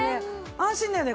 安心だよね